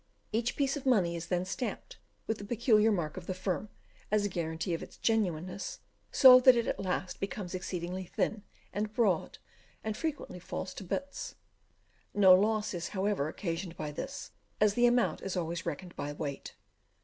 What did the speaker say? Each piece of money is then stamped with the peculiar mark of the firm, as a guarantee of its genuineness, so that it at last becomes exceedingly thin and broad, and frequently falls to bits; no loss is, however, occasioned by this, as the amount is always reckoned by weight.